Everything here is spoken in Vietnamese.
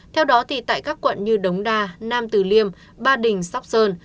theo đó thì tại các quận như đống đa nam tử liêm ba đình sóc sơn